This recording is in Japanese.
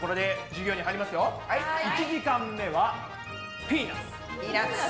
１時間目は「ピーナツ」。